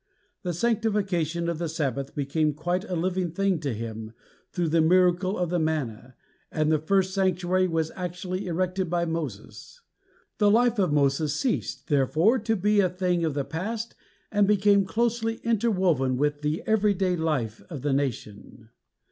The sanctification of the Sabbath became quite a living thing to him through the miracle of the Manna, and the first sanctuary was actually erected by Moses. The life of Moses ceased, therefore, to be a thing of the past and became closely interwoven with the every day life of the nation.